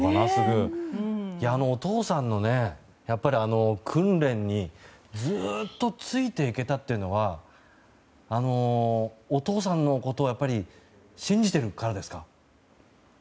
お父さんの訓練にずっとついていけたというのはお父さんのことを信じてるからですか？